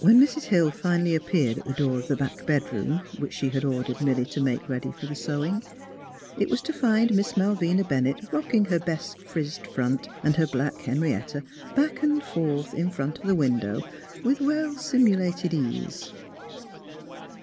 When Mrs. Hill finally appeared at the door of the back bedroom which she had ordered Milly to make ready for the sewing, it was to find Miss Malvina Bennett rocking her best frizzed front and her black Henrietta back and forth in front of the window with well simulated ease.